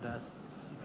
yang sudah saling main